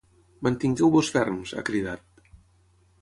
Mantingueu-vos ferms, ha cridat.